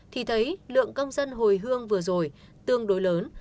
thì thấy lượng công dân hồi hương vừa rồi tương đối lớn